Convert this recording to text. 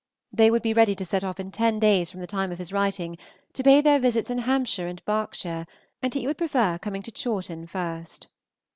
They would be ready to set off in ten days from the time of his writing, to pay their visits in Hampshire and Berkshire, and he would prefer coming to Chawton first.